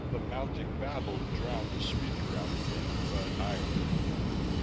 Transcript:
The mounting babble drowned the speaker out again, but I had heard enough.